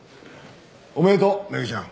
おめでとうメグちゃん。